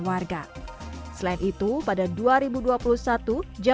pertama partisipasi warga untuk membuat jakarta lebih indah aman dan nyaman